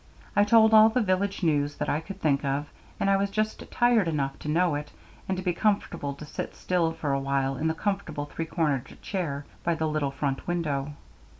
I told all the village news that I could think of, and I was just tired enough to know it, and to be contented to sit still for a while in the comfortable three cornered chair by the little front window.